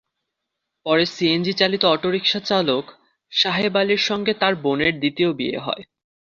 পরে সিএনজিচালিত অটোরিকশা চালক সাহেব আলীর সঙ্গে তাঁর বোনের দ্বিতীয় বিয়ে হয়।